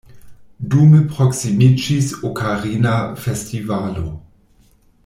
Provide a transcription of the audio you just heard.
Dume proksimiĝis Okarina Festivalo.